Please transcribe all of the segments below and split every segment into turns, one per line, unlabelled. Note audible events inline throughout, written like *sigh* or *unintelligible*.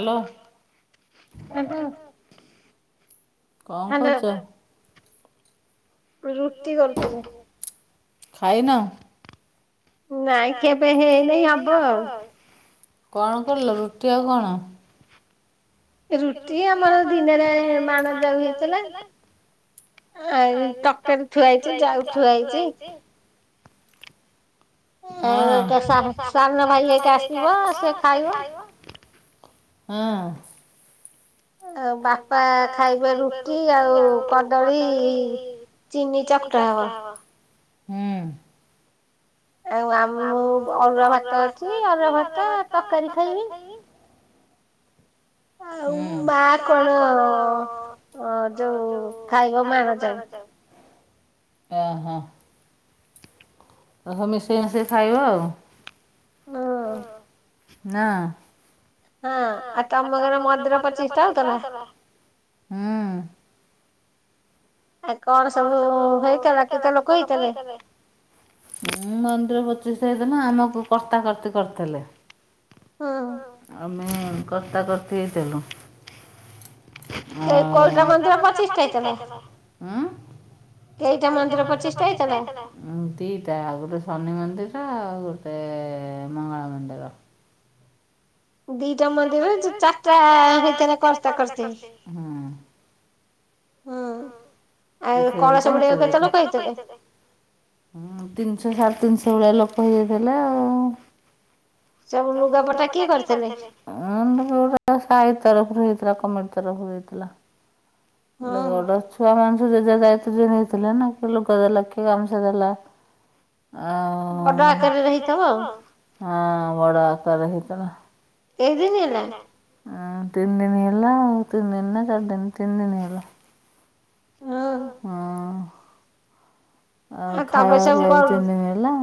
Hello hello hello. ଉରୁ
ରୁଟି ବେଲିବ ଖାଇନା?
ନାଇଁ ଖିଆ ପିଆ ହେଇ ନାଇଁ ହବ ଆଉ।
କଣ କରିଲ ରୁଟି ଆଉ କଣ?
ରୁଟି ଆମର ଦିନେରେ ମାଣ ଜାଉ ହେଇଥେଲା। ଆଉ ଏଇନିନ୍ ତକାରୀ ଥୁଆ ହେଇଚି ଜାଉ ଥୁଆ ହେଇଚି।
ହଁ ଏ ତା ସାମ୍ ସାନ ଭାଇ ଏଇକା ଆସିବ ସେ ଖାଇବ। ହଁ।
ଆଁ ବା
ବାପା ଖାଇବେ ରୁଟି ଆଉ କଦଳୀ
ଚିନି ଚକୁଟା ହବ।
ହୁଁ।
ଆଉଁ ଆମ୍
ଆ ମୁଁ ଅରୁଆ ଭାତ ଅଛି ଅରୁଆ ଭାତ ତକାରୀ ଖାଇବି।
ଆଉ ମା କଣ ଅ ଯୋଉ ଖାଇବ ମାଣ ଜାଉ।
ଓ ହଁ। ତ ସବୁ ମିଶେଇ ମାଶେଇ ଖାଇବା ଆଉ।
*unintelligible*
ନା।
ହଁ ଆଉ ତମ ଘର ମନ୍ଦିର ପ୍ରଚିଷ୍ଠା ହଉଥିଲା?
ହୁଁ।
ଆ କଣ ସବୁ ହେଇଥିଲା, କେତେ ଲୋକ ହେଇଥିଲେ?
ମୁଁ ମନ୍ଦିର ପଚିଷ୍ଠା ଦିନ ଆମକୁ କର୍ତ୍ତା କତ୍ତୀ କରିଥିଲେ।
ହୁଁ।
ଆମେ କର୍ତ୍ତା କର୍ତି ହେଇଥିଲୁ। ଆଉ *unintelligible*
ଏଇଟା ମନ୍ଦିର ପଚିଷ୍ଠା ହେଇଥିଲା?
ଉଁ ଦିଇଟା ଆଉ ଗୋଟେ ଶନି ମନ୍ଦିର, ଆଉ ଗୋଟେ ମଙ୍ଗଳା ମନ୍ଦିର। ଦିଇଟା ମନ୍ଦିରରେ ଚାରିଟା ହେଇଥିରେ କର୍ତ୍ତା କର୍ତୀ *unintelligible*
ହୁଁ ଆଉ କଳସ ବୁଡ଼େଇବାକୁ କେତେ ଲୋକ ହେଇଥିଲେ?
ହୁଁ ତିନିଶହ ସାଢ଼େ ତିନିଶ ଭଳିଆ ଲୋକ ହେଇଯାଇଥିଲେ ଆଉ।
ସବୁ ଲୁଗାପଟା କିଏ କରିଥିଲେ?
ହଁ ଗୋଟ ସାଇ ତରଫରୁ ହେଇଥିଲା କମିଟି ତରଫରୁ ହେଇଥିଲା। ବଡ ଛୁଆ ମାନେ ଯେ ଯା ଦାଇତ୍ୱ ନେଇଥିଲେ ନା, କି ଲୋକ ଦେଲା କିଏ ଗାମୁଛା ଦେଲା। ବଡ ଆକାରରେ ହେଇଥିବ ଆଉ। ହଁ ବଡ ଆକାର ହେଇଥିଲା। ହଁ ତିନ ଦିନ୍ ହେଲା ଆଉ ତିନ ଦିନ ନା ଚାରି ଦିନ, ତିନି ଦିନ ହେଲା। ହଁ। ଆଉ ଖାଇବା ପିଇବାକୁ ତିନି ଦିନ ହେଲା।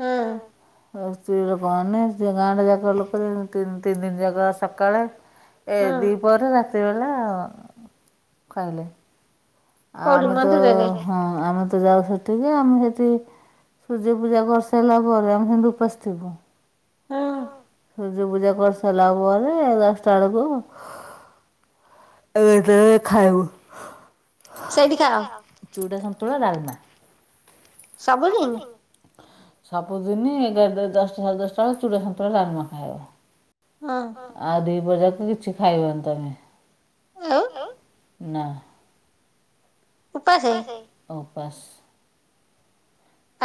ହୁଁ।
ଉ ସ୍ତ୍ରୀ ଲୋକମାନେ ସେ ଗାଁଟେ ଯାକ ଲୋକ ତିନି ଦିନ ଯାକ ସକାଳେ ଏ ଦି ପହରେ ରାତି ବେଲା ଖାଇଲେ। ଆମେ ତ ହଁ ଆମେ ତ ଯାଉ ସେଠିକ ଆମେ ସେଠି ସୂର୍ଯ୍ୟ ପୂଜା କରିସାରିଲା ପରେ ଆମେ ସେମିତି ଉପାସ ଥିବୁ।
ହୁଁ।
ସୂଯ୍ୟ ପୂଜା କରି ସାରିଲା ପରେ ଦଶଟା ବେଳକୁ *unintelligible* ଖାଇବୁ ଚୁଟା ସନ୍ତୁଳା, ଡାଲମା। ସବୁଦିନ? ସବୁଦିନ ଏଗାର, ଦଶଟା ସାଢେ ଦଶଟା ବେଳେ ଚୁଡା ସନ୍ତୁଳା ଡ଼ାଲମା *unintelligible*
ହଁ।
ଆଉ ଦିଇ ପହର ଯାକ କିଛି ଖାଇବନି ତମେ।
ଆଉ?
ନା। ଉପାସେ।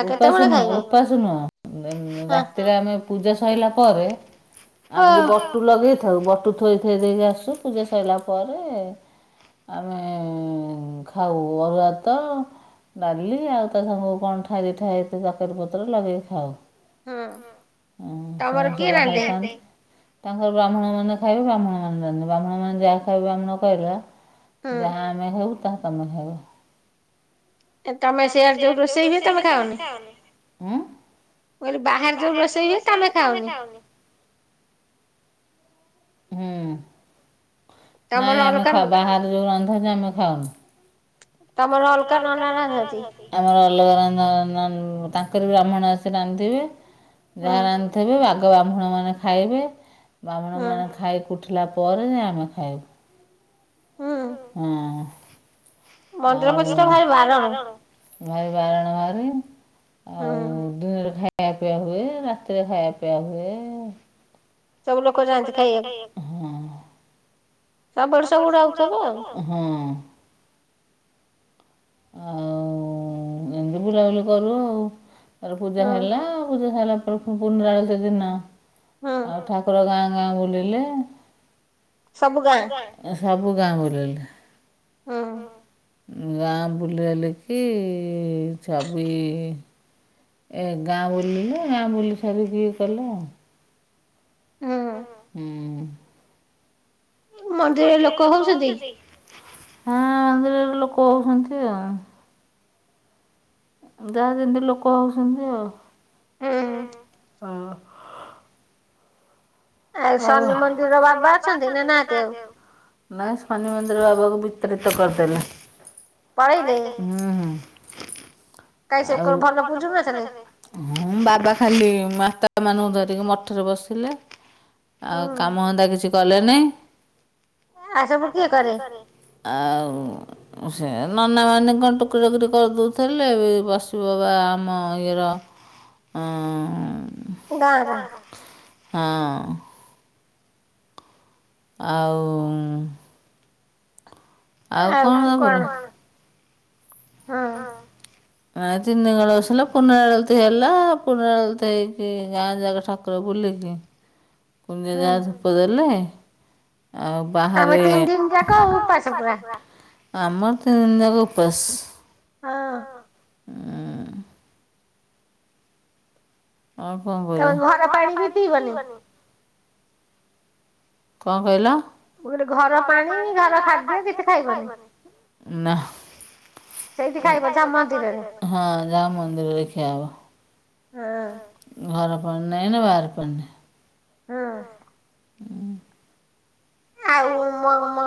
ଉପାସ ନୁହ ଉପାସ ନୁହଁ ରାତିରେ ଆମେ ପୂଜା ସରିଲା ପରେ ଆମେ ଯୋଉ ବଟୁ ଲଗେଇଥାଉ ବଟୁ ଥୋଇ ଥୋଇ ଦେଇକି ଆସୁ ପୂଜା ସରିଲା ପରେ ଆମେ ଖାଉ ଅରୁଆ ତ। ଡାଲିି ଆଉ ତା ସାଙ୍ଗ କଣ ଠାଇ ଠାଇ ତତକାରୀ ପତ୍ର ଲଗେଇକି ଖାଉ। ହଁ ସେ *unintelligible* ତାଙ୍କର ବ୍ରାହ୍ମଣ ମେ ଖାଇବେ ବ୍ରାହ୍ମଣ ମାନେବେ ବ୍ରାହ୍ମଣ ମାନ ଯାହା ଖାଇବେ ବ୍ରାହ୍ଣ *unintelligible* ଯାହା ତମେ ହେଉ ତା *unintelligible*
ତମେ ସେଇଆଡେ ଯୋଉ ରୋଷେଇ
*unintelligible*
ହ
ତମେ ଖାଉନି *unintelligible*
କହେ ବାହାରେ ଯୋଉ ରୋଷେଇ ହୁଏ ତମେ ଖାଉନି?
ହୁଁ। ନାଇଁ ଆମେ ଖା-ବାହାରେ ଯୋଉ ରନ୍ଧାଯାଏ ଆମେ ଖାଉନୁ।
ତୋମର ଅଲକା ନନା ରାନ୍ଧନ୍ତି?
ଆମର ଅଲଗା ରାନ୍ଧା ନା- ଯୋଉ ତାଙ୍କର ବ୍ରାହ୍ମଣ ଆସି ରାନ୍ଧେବେ। ଯାହା ରାନ୍ଧଥିବେ ଆଗ ବ୍ରାହ୍ମଣ ମାନେ ଖାଇବେ, ବ୍ରାହ୍ମଣ ମାନେ ଖାଇ କୁ ଉଠିଲା ପରେ ଯେ ଆମେ ଖାଇବୁ।
ହଁ।
ହଁ।
ମନ୍ଦିର ପ୍ରତିଷ୍ଠା ଭାରି ବାରଣ।
ଭାରି ବାରଣ ଭାରି, ଆଉ ଦିନରେ ଖା ଖାଇବା ପିଆ ହୁଏ, ରାତିରେ ଖାଇବା ପିଆ ହୁଏ।
ସବୁ ଲୋକ ଯାଆନ୍ତି ଖାଇବାକୁ?
ଆ ବର୍ଷ ଗୁଡା ଆଉ ସବୁ ଆଉ। ଆଉ ଏମିତି ବୁଲାବୁଲି କରୁ ଆଉ। ତାର ପୂଜା ହେଲା ପୂଜା ସାରିଲା ପରେ ପୁ ପୁନଆଳତି ସେଦିନ ଆଉ ଠାକୁର ଗାଁ ଗାଁ ବୁଲିଲେ। ଏ ସବୁ ଗାଁ ବୁଲେଇଲେ।
ହଁ।
ଉଁ, ଗାଁ ବୁଲି ବାଲିକି ଛବି ଏ ଗାଁ ବୁଲିଲେ, ଗାଁ ବୁଲି ସାରିକି ଇଏ କଲେ ଆଉ। ହୁଁ।
ମନ୍ଦିରରେ ଲୋକ ହଉଛନ୍ତି?
ହଁ ମନ୍ଦିରରେ ଲୋକ ହଉଛନ୍ତି ଆଉ। ଯାହା ଯେମିତି ଲୋକ ହଉଛନ୍ତି ଆଉ।
ହଁ।
ହଁ। ଆଉ ନା ଶନି ମନ୍ଦିର ବାବାକୁ ବିତରିତ କରିଦେଲେ। ପଳେଇଲେ ହୁଁ, ହୁଁ ଆଉ, ଭଲ ପୁଜୁନଥିଲେ? ହଁ ହୁଁ, ବାବା ଖାଲି ମାତା ମାନଙ୍କୁ ଧରିକି ମଠରେ ବସିଲେ। ଆଉ କାମ ଧନ୍ଦା କିଛି କଲେନି। ଆଉ ସେ ନନା ମାନେ କଣ ଟୁକୁର କିରି କରିଦଉଥଲେ ବି ବସିବବା ଆମ ଇଏର ଅଁ, ହଁ। ଆଉ ଆଉ କଣ ତାଙ୍କର।
ହଁ।
ଆ ତିନି ଦିନ କାଳ ବସିଲା ପୂର୍ଣ୍ଣ ଆଳତି ହେଲା, ପୂର୍ଣ୍ଣ ଆଳତି ହେଇକି ଗାଁ ଯାକ ଠାକୁର ବୁଲିକି *unintelligible* ଧୂପ ଦେଲେ ଆଉ
ତୋମେ ତିନି ଦିନ ଯାକ ଉପାସ ପୁରା?
ଆମର ତିନି ଦିନି ଯାକ ଉପାସ।
ଆ,
ହୁଁ। ଆଉ କଣ କରିବ? କଣ କହିଲ? ମୁଁ କହିଲି ଘର ପାଣି ଘର ଖାଦ୍ୟ କିଛି ଖାଇବନି? ସେଇଠି ଖାଇବ ଯାହା ମନ୍ଦିରରେ? ହଁ ଯାହା ମନ୍ଦିରରେ ଖିଆ ହବ।
ହଁ।
ଘର ପାଣି ନାହିଁ ନା ବାହାର ପାଣି ନାହିଁ।
ହଁ।
ହୁଁ।
ଆଉ ମ ମ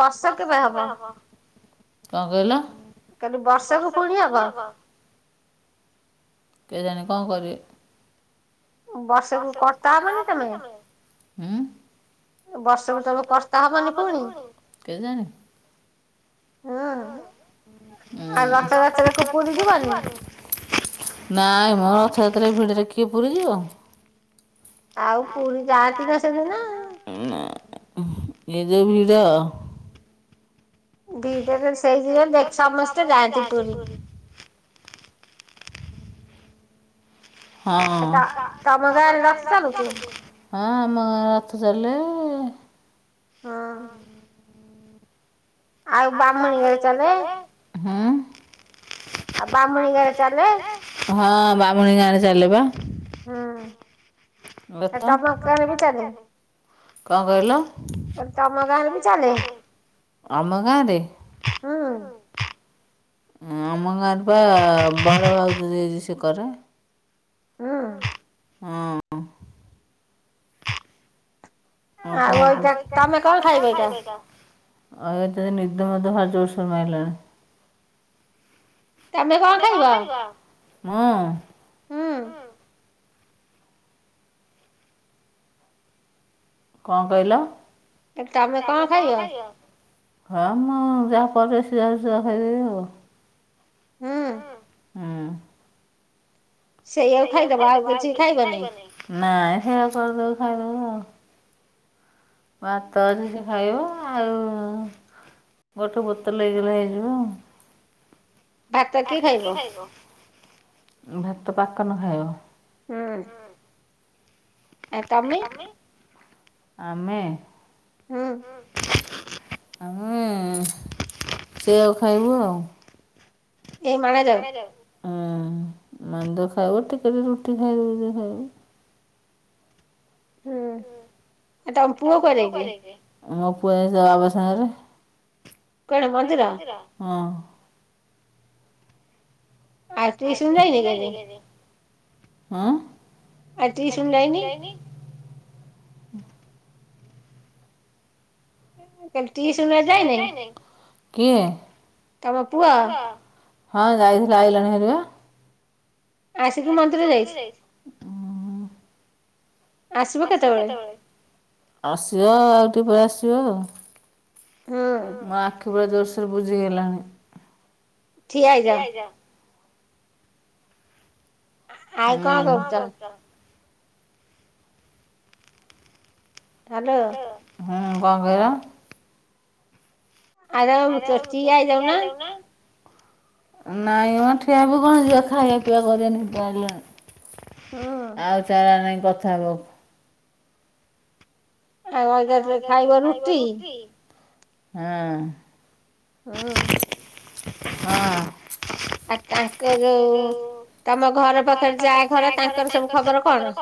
ବର୍ଷ କେବେ ହବ?
କଅ କହିଲ?
କାଲି ବର୍ଷକୁ ପୁଣି ହବ।
କେଜାଣି କଣ କରିବେ? ବର୍ଷକୁ କର୍ତ୍ତା ହବନି ତମେ? ବର୍ଷକୁ ତମେ କର୍ତ୍ତା ହବନି ପୁଣି? ଉଁ। ଆଉ ରଥଯାତ୍ରାକୁ ପୁରୀ ଯିବନି? ନାଇଁ ମ ରଥଯାତ୍ରା ରେ ଏ ଭିଡରେ କିଏ ପୁରୀ ଯିବ।
ଆଉ ପୁରୀ ଯାଆନ୍ତି ତ ସେଦିନ।
ଏ ଯଉ ଭିଡ଼
ଭିଡ଼ରେ ସେଇଦିନ ସମସ୍ତେ ଯାଆନ୍ତି ପୁରୀ।
ହଁ। ହଁ ଆମ ଗାଁରେ ରଥ ଚାଲେ।
ହଁ। ଆଉ ବାମଣୀ ଘରେ ଚାଲେ।
ହୁଁ। ହଁ ବାମୁଣୀ ଗାଁରେ ଚାଲ ପା।
ହୁଁ।
*unintelligible* କଣ କହିଲ? ଆମ ଗାଁରେ? ଆମ ଗାଁରେ ପା ବଡ ଭାଉଜ ଯିଏ ସେ କରେ।
ହୁଁ।
ହଁ। ଆଉ। *unintelligible* ଆଉ ଏତେ ନିଦ ମତେ ଭାରି ଜୋରସୋରେ ମାଇଲାଣି। ତମେ କଣ ଖାଇବ?
ହୁଁ।
କଣ କହିଲ?
ଏ ତମେ କଣ ଖାଇବ?
ହଁ ମୁଁ ଯାହା କରେ ସେଇଆ ସେଇଆ ଖାଇଦେବି ଆଉ।
ହୁଁ।
ହୁଁ।
ସେଇଆକୁ ଖାଇଦବ। ଆଉ କିଛି ଖାଇବନି?
ନାଇଁ ସେଇଆ କରିଦବୁ ଖାଇଦବୁ ଆଉ। ଭାତ ଅଛି ସେ ଖାଇବ। ଆଉ ଗୋଟେ ବୋତଲ ହେଇଗଲେ ହେଇଯିବ ଆଉ। ଭାତ କିଏ ଖାଇବ? ଭାତ ପାକନ ଖାଇବ।
ହୁଁ।
ଆଉ ତମେ? ଆମେ
ହୁଁ।
ଆମେ, ସେୟାକୁ ଖାଇବୁ ଆଉ। *unintelligible* ବ ଟିକେ ରୁଟି ଖାଇବ ଯଦି ଖାଇବ
ହୁଁ। ତମ ପୁଅ କୁଆଡେ ଯାଇଛି?
ମୋ ପୁଅ ଯାଇଚି ତା ବାବା ସାଙ୍ଗରେ। କଣ ମନ୍ଦିର? ହଁ
ଆସି ଟ୍ୟୁସନ୍ ଯାଇନି କି ଆଜି?
ହଁ।
ଆ ଟ୍ୟୁସନ୍ ଯାଇନି?
ଟ୍ୟୁସନ ଆଜି ଯାଇନି। କିଏ? ତମ ପୁଅ। ହଁ ଯାଇଥଲା ଆଇିଲାଣି ହାରିବା।
ଆସିକି ମନ୍ଦିର ଯାଇଛି?
ଆସିବ କେତେବେଳେ? ଆସିବ ଆଉ ଟିକେ ପରେ ଆସିବ ଆଉ ମୋ ଆଖି ପୁରା ଜୋରସରେ ବୁଜିହେଲାଣି।
ଠିଆ ହେଇଯାଅ। ଆଉ କଣ କରୁଛ?
ହ୍ୟାଲୋ। କଣ କହିଲ?
ଆ *unintelligible*
ନାଇଁ ହଁ ଠିଆ ବି କଣ ଯିବା ଖାଇବା ପିଇବା ନିଦ ଲାଗିଲାଣି। ଆଉ ଚାରା ନାଇ କଥା ହବାକୁ
ହଉ *unintelligible*
*unintelligible* ଆଁଇଛା ଖାଇବା ରୁଟି। ହଁ।
ହଁ *unintelligible*
ହଁ।
ଆଉ ତାଙ୍କେ ଯୋଉ ତମ ଘର ପାଖରେ ଯାଆଘର ତାଙ୍କର ସବୁ ଖବର କଣ?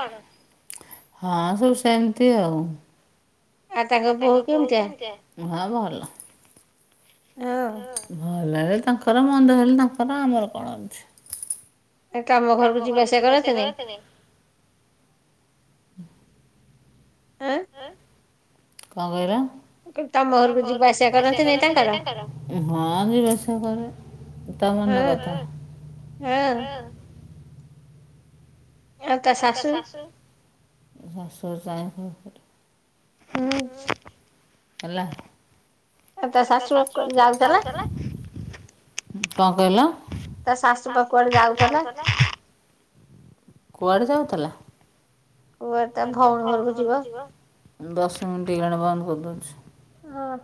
ହଁ ସବୁ ସେମିତି ଆଉ। ଆଉ ତାଙ୍କ ବୋଉ କେମିତିଆ? ହଁ ଭଲ।
ହଁ।
ଭଲ ହେଲେ ତାଙ୍କର ମନ୍ଦ ହେଲେ ତାଙ୍କର ଆମର କଣ ଅଛି।
ଆଉ ତମ ଘରକୁ ଯିବା ଆସିବା କରନ୍ତି ନି? ଆଁ।
କଣ କହିଲ?
ତମ ଘରକୁ ଯିବା ଆସିବା କରନ୍ତି ନାଇଁ ତାଙ୍କର?
ହଁ ଯିବା ଆସିବା କରେ ତା ମନ କଥା
ହଁ।
ଆଉ ତା ଷାଷୁ ଷାଷୁ ଯଏ
ହୁଁ।
ହେଲା।
ଆଉ ତା ଶାଶୁ ପା କୁଆଡେ ଯାଉଥିଲା?
କଣ କହିଲ? ତା ଶାଶୁ ପାଖଆଡ ଯାଉଥିଲା? କୁଆଡ଼େ ଯାଉଥିଲା?
କୁଆଡେ ତା ଭଉଣୀ ଘରକୁ ଯିବ?
ଦଶ ମିନିଟ୍ ହେଇଗଲାଣି ବନ୍ଦ କରିଦେଉଛି
ହଁ।